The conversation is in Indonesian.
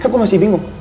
kan gue masih bingung